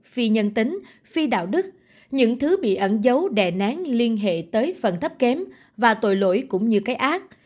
phi nhân tính phi đạo đức những thứ bị ẩn dấu đệ nán liên hệ tới phần thấp kém và tội lỗi cũng như cái ác